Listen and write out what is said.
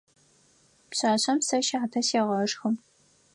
Пшъашъэм сэ щатэ сегъэшхы.